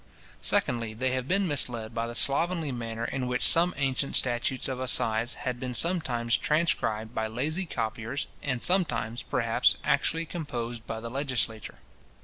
Secondly, they have been misled by the slovenly manner in which some ancient statutes of assize had been sometimes transcribed by lazy copiers, and sometimes, perhaps, actually composed by the legislature.